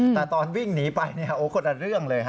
แต่ตอนวิ่งหนีไปคนละเรื่องเลย